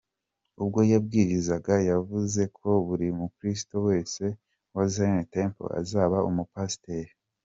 Ubwo yabwirizaga yavuze ko buri mukristo wese wa Zion Temple azaba umupasiteri.